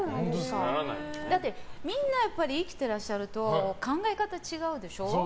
だってみんな生きてらっしゃると考え方違うでしょ。